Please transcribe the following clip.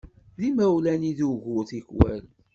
D imawlan i d ugur tikwal.